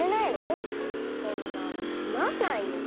そんなのつまんないよ！